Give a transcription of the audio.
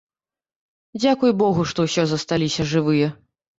Дзякуй богу, што ўсё засталіся жывыя.